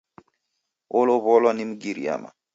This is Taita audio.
Wolow'olwa ni Mgiriama.